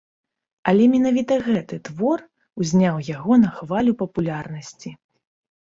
Але менавіта гэты твор узняў яго на хвалю папулярнасці.